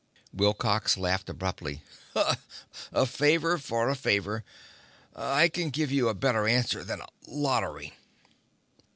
Wilcox laughed abruptly. "A favor for a favor. I can give you a better answer than a lottery."